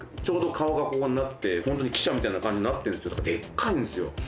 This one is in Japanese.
ちょうど顔がここになってホントに汽車みたいな感じになってるんですよ